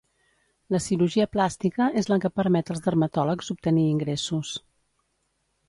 La cirurgia plàstica és la que permet als dermatòlegs obtenir ingressos.